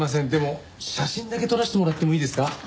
でも写真だけ撮らせてもらってもいいですか？